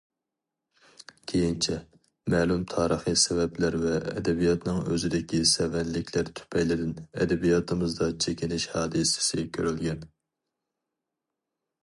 كېيىنچە، مەلۇم تارىخىي سەۋەبلەر ۋە ئەدەبىياتنىڭ ئۆزىدىكى سەۋەنلىكلەر تۈپەيلىدىن ئەدەبىياتىمىزدا چېكىنىش ھادىسىسى كۆرۈلگەن.